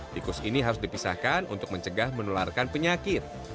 tikus ini harus dipisahkan untuk mencegah menularkan penyakit